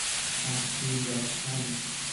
تحسین داشتن